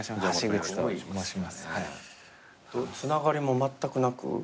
つながりもまったくなく？